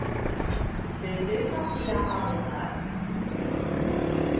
De què s'havia adonat?